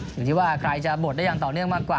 อยู่ที่ว่าใครจะบดได้อย่างต่อเนื่องมากกว่า